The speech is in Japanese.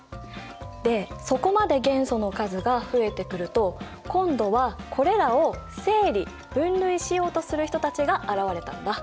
でそこまで元素の数が増えてくると今度はこれらを整理分類しようとする人たちが現れたんだ。